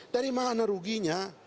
dari mana ruginya